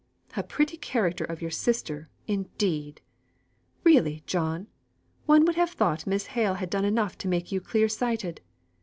"A pretty character of your sister, indeed! Really, John, one would have thought Miss Hale had done enough to make you clear sighted.